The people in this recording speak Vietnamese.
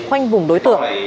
khoanh vùng đối tượng